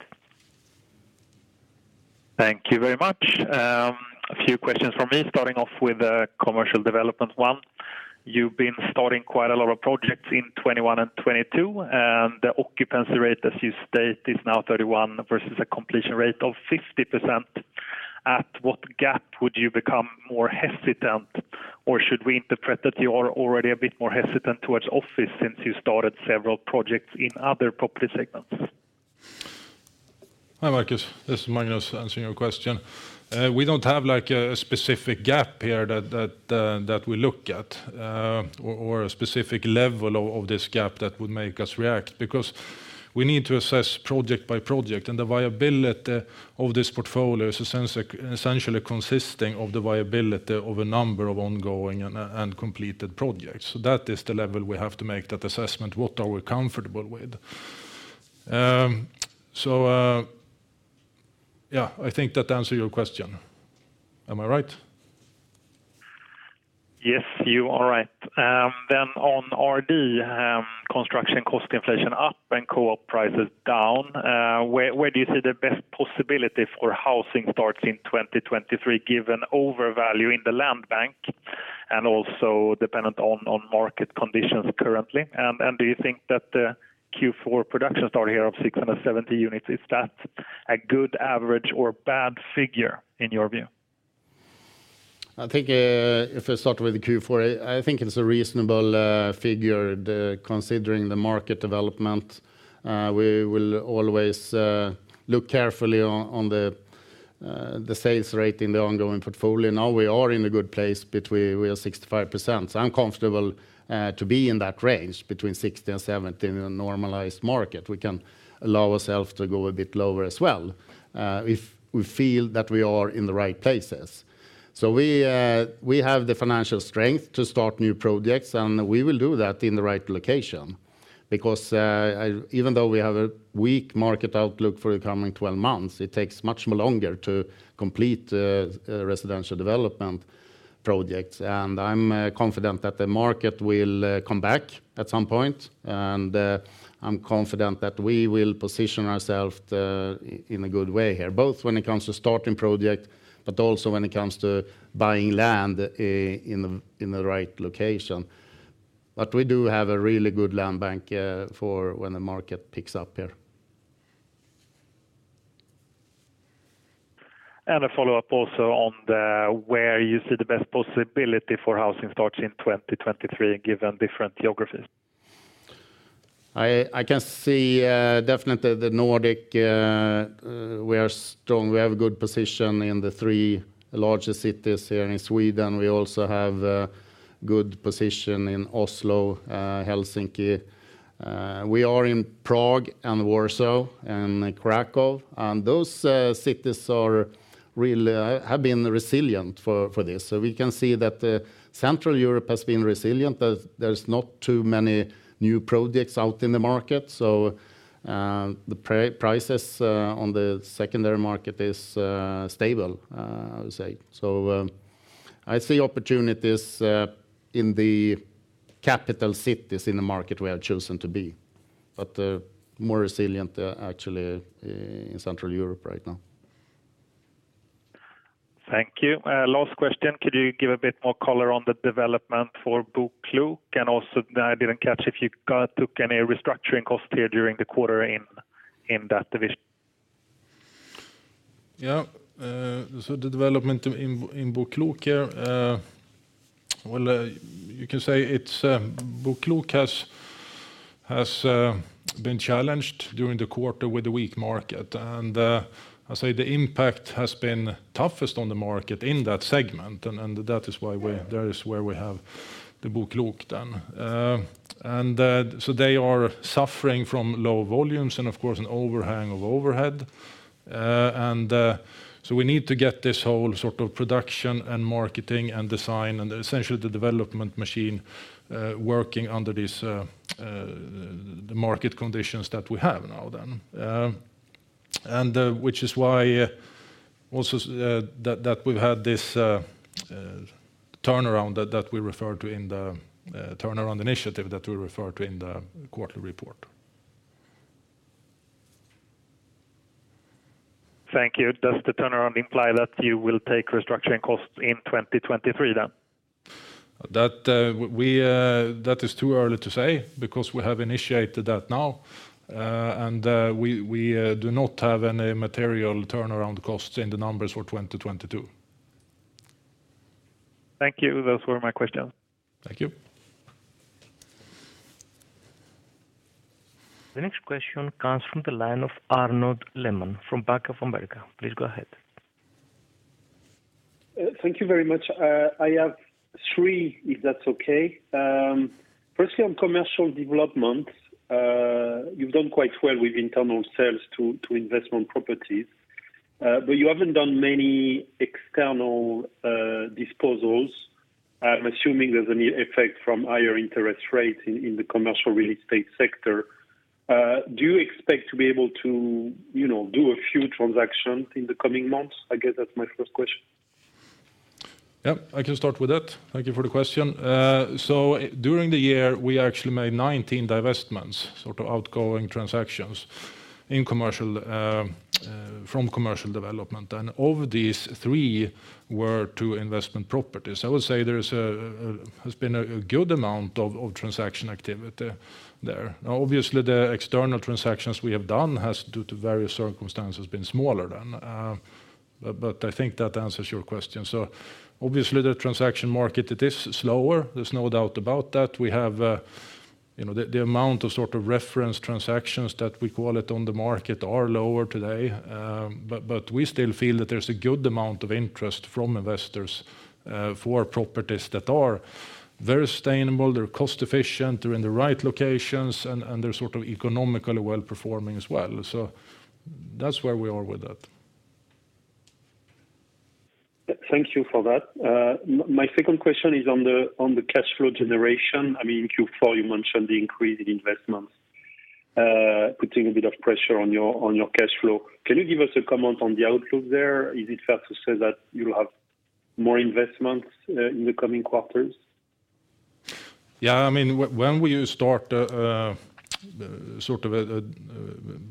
Thank you very much. A few questions from me, starting off with a commercial development one. You've been starting quite a lot of projects in 2021 and 2022, and the occupancy rate as you state is now 31 versus a completion rate of 50%. At what gap would you become more hesitant? Or should we interpret that you are already a bit more hesitant towards office since you started several projects in other property segments? Hi, Markus. This is Magnus answering your question. We don't have like a specific gap here that we look at or a specific level of this gap that would make us react because we need to assess project by project. The viability of this portfolio is essentially consisting of the viability of a number of ongoing and completed projects. That is the level we have to make that assessment. What are we comfortable with? Yeah, I think that answer your question. Am I right? Yes, you are right. Then on RD, construction cost inflation up and co-op prices down. Where do you see the best possibility for housing starts in 2023 given overvalue in the land bank and also dependent on market conditions currently? Do you think that the Q4 production start here of 670 units, is that a good average or bad figure in your view? I think, if I start with the Q4, I think it's a reasonable figure considering the market development. We will always look carefully on the sales rate in the ongoing portfolio. Now we are in a good place, we are 65%. I'm comfortable to be in that range between 60 and 70 in a normalized market. We can allow ourself to go a bit lower as well if we feel that we are in the right places. We have the financial strength to start new projects, and we will do that in the right location. Even though we have a weak market outlook for the coming 12 months, it takes much longer to complete residential development projects. I'm confident that the market will come back at some point. I'm confident that we will position ourself in a good way here, both when it comes to starting project, but also when it comes to buying land in the right location. We do have a really good land bank for when the market picks up here. A follow-up also on the where you see the best possibility for housing starts in 2023 given different geographies? I can see, definitely the Nordic, we are strong. We have a good position in the three largest cities here in Sweden. We also have a good position in Oslo, Helsinki. We are in Prague and Warsaw and Kraków. Those cities are really have been resilient for this. We can see that Central Europe has been resilient. There's not too many new projects out in the market. The prices on the secondary market is stable, I would say. I see opportunities in the Capital cities in the market we have chosen to be. More resilient, actually, in Central Europe right now. Thank you. Last question. Could you give a bit more color on the development for BoKlok? Also, I didn't catch if you took any restructuring cost here during the quarter in that division. The development in BoKlok, well, you can say it's, BoKlok has been challenged during the quarter with the weak market. I say the impact has been toughest on the market in that segment. That is why that is where we have the BoKlok then. They are suffering from low volumes and of course an overhang of overhead. We need to get this whole sort of production and marketing and design and essentially the development machine working under this, the market conditions that we have now then. Which is why also, that we've had this turnaround that we referred to in the turnaround initiative that we referred to in the quarterly report. Thank you. Does the turnaround imply that you will take restructuring costs in 2023 then? That is too early to say because we have initiated that now. We do not have any material turnaround costs in the numbers for 2022. Thank you. Those were my questions. Thank you. The next question comes from the line of Arnaud Lehmann from Bank of America. Please go ahead. Thank you very much. I have three, if that's okay. Firstly on commercial development. You've done quite well with internal sales to investment properties. You haven't done many external disposals. I'm assuming there's an effect from higher interest rates in the commercial real estate sector. Do you expect to be able to, you know, do a few transactions in the coming months? I guess that's my first question. Yep, I can start with that. Thank you for the question. During the year, we actually made 19 divestments, sort of outgoing transactions in commercial from commercial development. Of these three were two investment properties. I would say there has been a good amount of transaction activity there. Obviously, the external transactions we have done has, due to various circumstances, been smaller than. I think that answers your question. Obviously the transaction market it is slower, there's no doubt about that. We have, you know, the amount of sort of reference transactions that we call it on the market are lower today. We still feel that there's a good amount of interest from investors for properties that are very sustainable, they're cost efficient, they're in the right locations, and they're sort of economically well-performing as well. That's where we are with that. Thank you for that. My second question is on the cash flow generation. I mean, in Q4, you mentioned the increase in investments, putting a bit of pressure on your cash flow. Can you give us a comment on the outlook there? Is it fair to say that you'll have more investments in the coming quarters? Yeah. I mean, when we start sort of a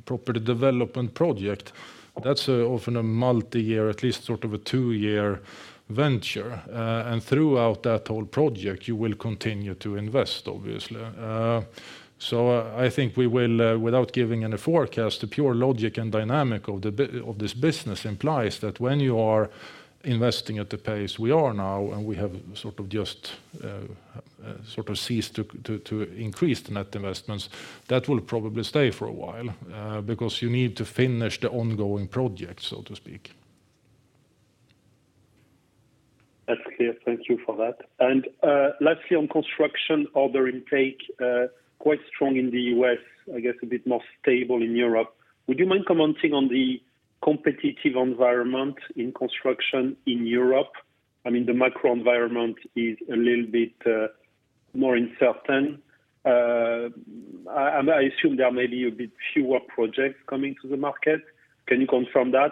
property development project, that's often a multi-year, at least sort of a two-year venture. Throughout that whole project, you will continue to invest, obviously. I think we will without giving any forecast, the pure logic and dynamic of this business implies that when you are investing at the pace we are now, and we have just sort of ceased to increase the net investments, that will probably stay for a while because you need to finish the ongoing project, so to speak. That's clear. Thank you for that. Lastly, on construction order intake, quite strong in the U.S., I guess a bit more stable in Europe. Would you mind commenting on the competitive environment in construction in Europe? I mean, the microenvironment is a little bit more uncertain. I assume there are maybe a bit fewer projects coming to the market. Can you confirm that?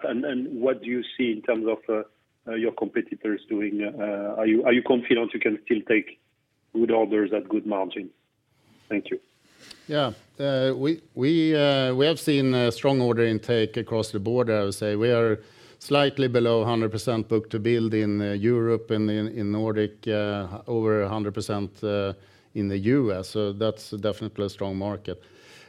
What do you see in terms of your competitors doing? Are you confident you can still take good orders at good margins? Thank you. Yeah. We have seen a strong order intake across the board, I would say. We are slightly below 100% book-to-build in Europe and in Nordic, over 100% in the U.S.. That's definitely a strong market.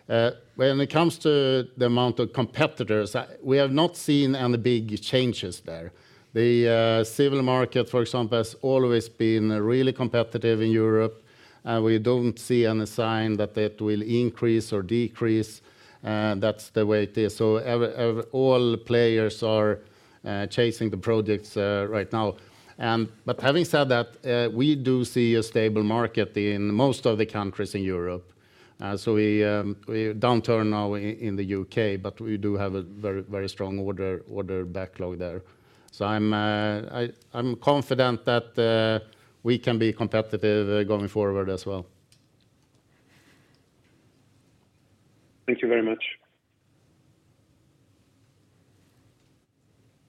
When it comes to the amount of competitors, we have not seen any big changes there. The civil market, for example, has always been really competitive in Europe. We don't see any sign that it will increase or decrease. That's the way it is. Overall players are chasing the projects right now. Having said that, we do see a stable market in most of the countries in Europe. We downturn now in the U.K., but we do have a very strong order backlog there. I'm confident that we can be competitive going forward as well. Thank you very much.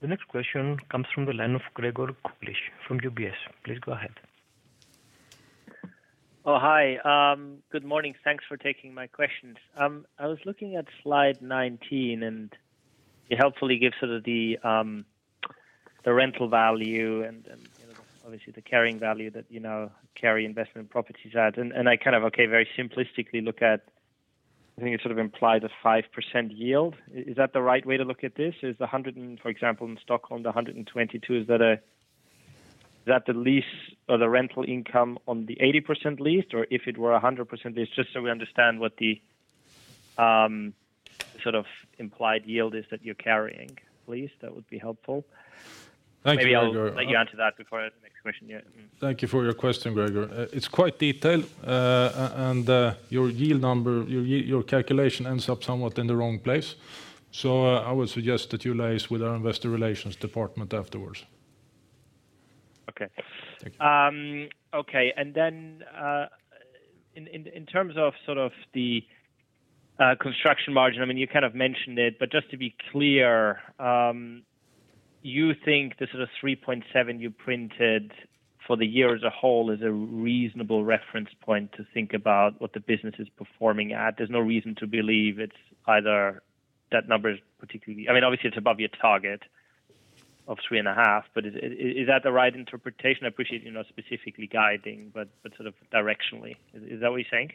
The next question comes from the line of Gregor Kuglitsch from UBS. Please go ahead. Hi. Good morning. Thanks for taking my questions. I was looking at slide 19, it helpfully gives sort of the rental value and, you know, obviously the carrying value that, you know, carry investment properties at. I kind of, very simplistically look at, I think it sort of implies a 5% yield. Is that the right way to look at this? Is the 122, for example, in Stockholm, is that the lease or the rental income on the 80% leased, or if it were 100% leased? Just so we understand what the sort of implied yield is that you're carrying please. That would be helpful. Thank you, Gregor... Maybe I'll let you answer that before I ask the next question. Thank you for your question, Gregor. It's quite detailed. Your yield number, your calculation ends up somewhat in the wrong place. I would suggest that you liaise with our Investor Relations department afterwards. Okay. In terms of sort of the construction margin, I mean, you kind of mentioned it, but just to be clear, you think the sort of 3.7% you printed for the year as a whole is a reasonable reference point to think about what the business is performing at? There's no reason to believe it's either that number is particularly. I mean, obviously it's above your target of 3.5%, but is that the right interpretation? I appreciate you're not specifically guiding, but sort of directionally. Is that what you're saying?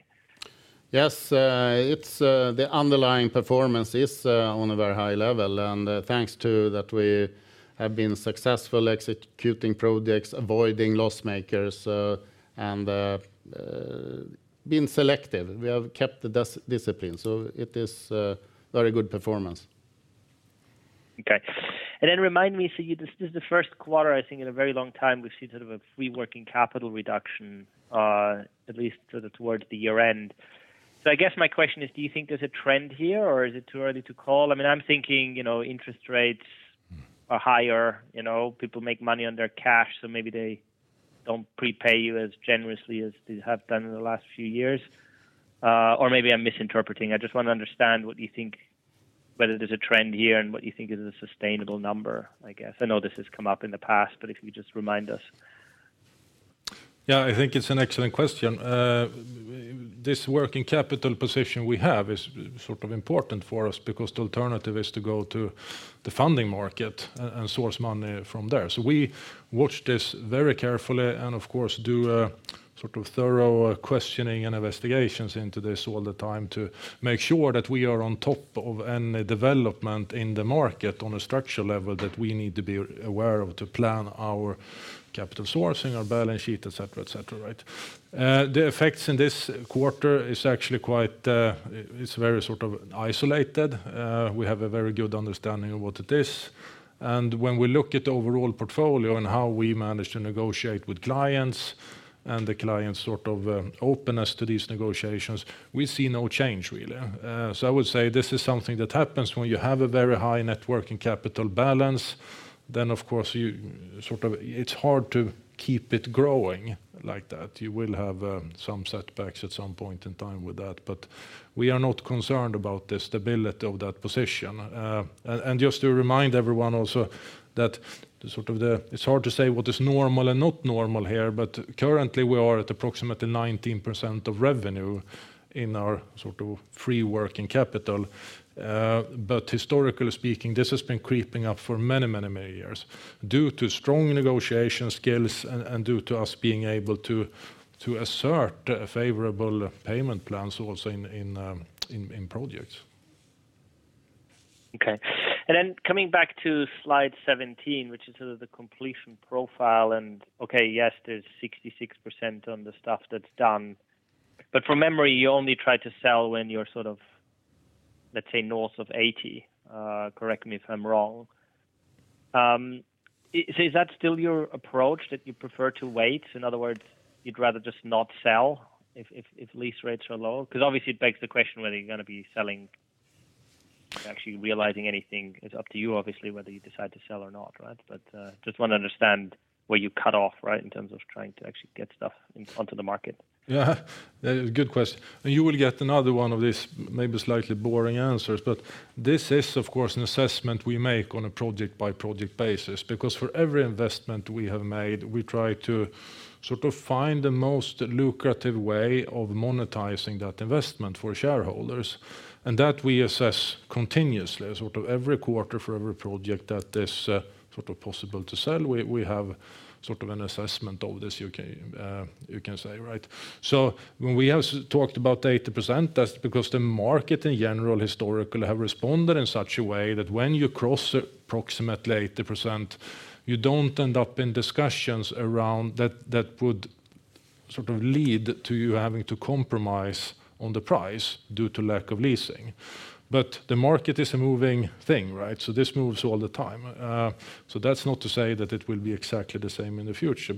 Yes. It's the underlying performance is on a very high level. Thanks to that we have been successful executing projects, avoiding loss makers, and being selective. We have kept the discipline. It is very good performance. Okay. Remind me. This is the Q1, I think, in a very long time we've seen sort of a free working capital reduction, at least sort of towards the year-end. I guess my question is, do you think there's a trend here, or is it too early to call? I mean, I'm thinking, you know, interest rates. Mm are higher. You know, people make money on their cash. Maybe they don't prepay you as generously as they have done in the last few years. Maybe I'm misinterpreting. I just want to understand what you think, whether there's a trend here and what you think is a sustainable number, I guess. I know this has come up in the past. If you could just remind us. I think it's an excellent question. This working capital position we have is sort of important for us because the alternative is to go to the funding market and source money from there. We watch this very carefully and, of course, do a sort of thorough questioning and investigations into this all the time to make sure that we are on top of any development in the market on a structural level that we need to be aware of to plan our capital sourcing, our balance sheet, et cetera, et cetera. Right? The effects in this quarter is actually quite, it's very sort of isolated. We have a very good understanding of what it is. When we look at the overall portfolio and how we manage to negotiate with clients and the clients sort of openness to these negotiations, we see no change really. I would say this is something that happens when you have a very high net working capital balance. Then, of course, it's hard to keep it growing like that. You will have some setbacks at some point in time with that. We are not concerned about the stability of that position. Just to remind everyone also that it's hard to say what is normal and not normal here, but currently we are at approximately 19% of revenue in our sort of free working capital. Historically speaking, this has been creeping up for many years due to strong negotiation skills and due to us being able to assert favorable payment plans also in projects. Coming back to slide 17, which is sort of the completion profile. Yes, there's 66% on the stuff that's done. From memory, you only try to sell when you're sort of, let's say, north of 80%. Correct me if I'm wrong. Is that still your approach that you prefer to wait? In other words, you'd rather just not sell if lease rates are low? Cause obviously it begs the question whether you're gonna be selling, actually realizing anything. It's up to you obviously whether you decide to sell or not, right? Just wanna understand where you cut off, right, in terms of trying to actually get stuff in, onto the market? Yeah. Good question. You will get another one of these maybe slightly boring answers. This is, of course, an assessment we make on a project-by-project basis. For every investment we have made, we try to sort of find the most lucrative way of monetizing that investment for shareholders, and that we assess continuously. Sort of every quarter for every project that is, sort of possible to sell, we have sort of an assessment of this you can say, right? When we have talked about 80%, that's because the market in general historically have responded in such a way that when you cross approximately 80%, you don't end up in discussions around that would sort of lead to you having to compromise on the price due to lack of leasing. The market is a moving thing, right? This moves all the time. That's not to say that it will be exactly the same in the future.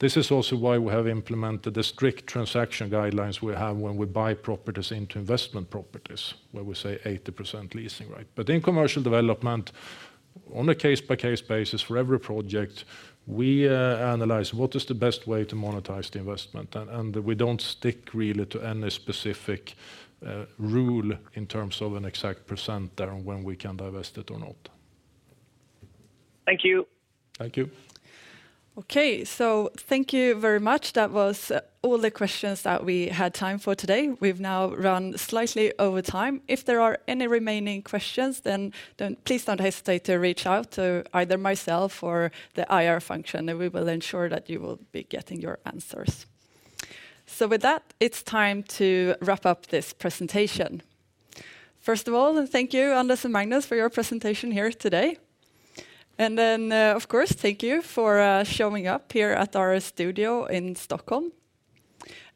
This is also why we have implemented the strict transaction guidelines we have when we buy properties into investment properties, where we say 80% leasing, right? In commercial development, on a case-by-case basis for every project, we analyze what is the best way to monetize the investment. We don't stick really to any specific rule in terms of an exact percent there on when we can divest it or not. Thank you. Thank you. Thank you very much. That was all the questions that we had time for today. We've now run slightly over time. If there are any remaining questions, then please don't hesitate to reach out to either myself or the IR function, and we will ensure that you will be getting your answers. With that, it's time to wrap up this presentation. First of all, thank you, Anders and Magnus, for your presentation here today. Then, of course, thank you for showing up here at our studio in Stockholm.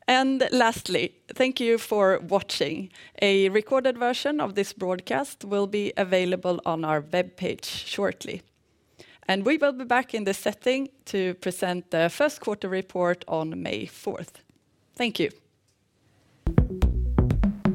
Lastly, thank you for watching. A recorded version of this broadcast will be available on our webpage shortly. We will be back in this setting to present the Q1 report on May 4th. Thank you.